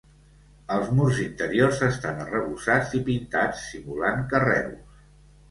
Els murs interiors estan arrebossats i pintats simulant carreus.